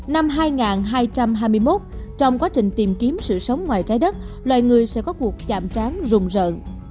năm hai nghìn hai trăm hai mươi một trong quá trình tìm kiếm sự sống ngoài trái đất loài người sẽ có cuộc chạm tráng rùng rợn